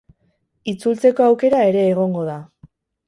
Itzultzeko aukera ere egongo da.